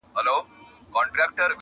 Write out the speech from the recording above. نه په پلونو نه په ږغ د چا پوهېږم!